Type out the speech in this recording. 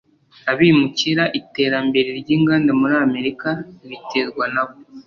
abimukira: iterambere ry’inganda muri amerika biterwa na bo